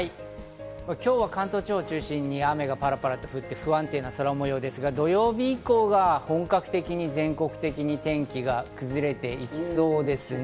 今日は関東地方を中心に雨がパラパラと降って不安定な空模様ですが、土曜日以降は本格的に、全国的に天気が崩れていきそうです。